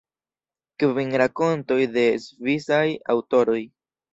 Kvin rakontoj de svisaj aŭtoroj.